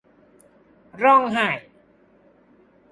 ร้องไห้